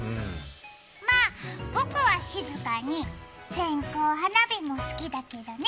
まあ、僕は静かに線香花火も好きだけどね。